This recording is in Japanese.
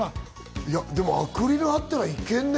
でもアクリルあったらいけるね。